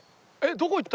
どこ行った？